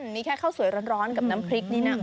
นี่แค่ข้าวสวยร้อนกับน้ำพริกนี่นะ